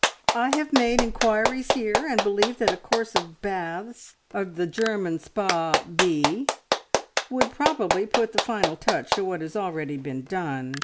"I have made inquiries here, and believe that a course of baths of the German Spa B would probably put the final touch to what has already been done.